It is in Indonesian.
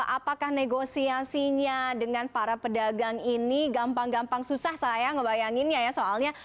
apakah negosiasinya dengan para pedagang ini gampang gampang susah saya ngebayanginnya ya soalnya